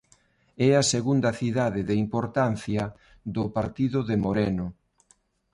É a segunda cidade de importancia do partido de Moreno.